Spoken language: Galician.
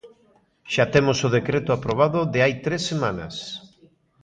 Xa temos o decreto aprobado de hai tres semanas.